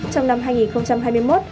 trong năm hai nghìn hai mươi một